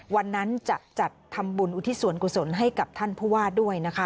วันนั้นจะจัดทำบุญอุทิศส่วนกุศลให้กับท่านผู้ว่าด้วยนะคะ